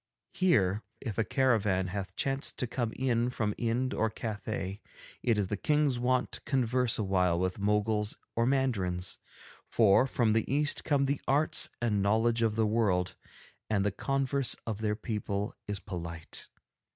Here, if a caravan hath chanced to have come in from Ind or from Cathay, it is the King's wont to converse awhile with Moguls or Mandarins, for from the East come the arts and knowledge of the world, and the converse of their people is polite.